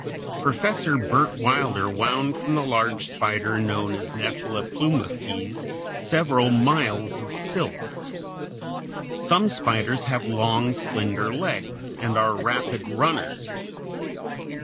Professor Burt Wilder wound from the large spider known as Nephila plumipes several miles of silk. Some spiders have long, slender legs and are rapid runners.